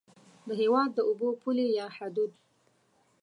د هېواد د اوبو پولې یا حدود